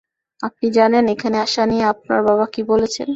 আপনি জানেন, এখানে আসা নিয়ে আপনার বাবা কী বলেছেন?